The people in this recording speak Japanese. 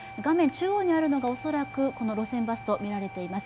中央にあるのが恐らくこの路線バスとみられています。